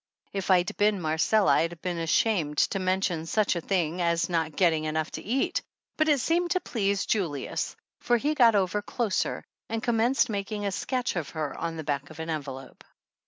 If I'd been M arcella I'd been ashamed to mention such a thing as not getting enough to eat, but it seemed to please Julius, for he got over closer and commenced making a sketch of her on the back of an envelope.